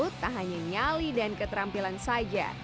tak hanya nyali dan keterampilan saja